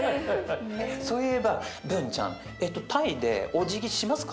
そういえばブンちゃんタイでおじぎしますか？